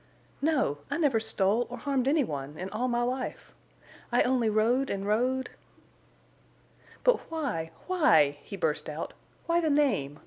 "No! I never stole—or harmed any one—in all my life. I only rode and rode—" "But why—why?" he burst out. "Why the name?